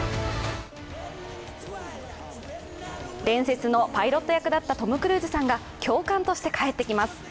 伝説のパイロット役だったトム・クルーズさんが教官として帰ってきます。